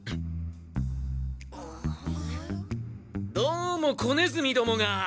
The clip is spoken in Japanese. どうも子ネズミどもが。